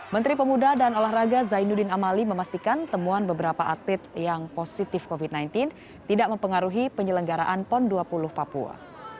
menteri pemuda dan olahraga zainuddin amali memastikan temuan beberapa atlet yang positif covid sembilan belas tidak mempengaruhi penyelenggaraan pon dua puluh papua